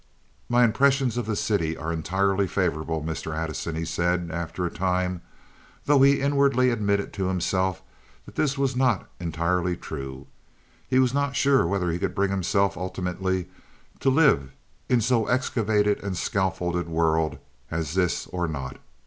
"My impressions of the city are entirely favorable, Mr. Addison," he said, after a time, though he inwardly admitted to himself that this was not entirely true; he was not sure whether he could bring himself ultimately to live in so excavated and scaffolded a world as this or not.